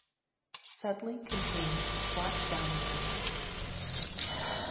Sudley contains the Splash Down Waterpark.